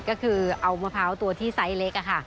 ก็คือเอามะพร้าวตัวที่ไซส์เล็กค่ะ